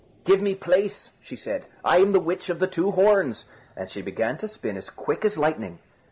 "Give me place," she said; "I am the Witch of the two Horns," and she began to spin as quick as lightning.